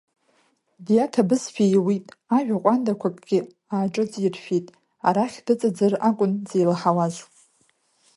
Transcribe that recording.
Диаҭабызшәа иуит, ажәа ҟәандақәакгьы ааиҿыҵиршәеит, арахь дыҵаӡыр акәын дзеилаҳауаз.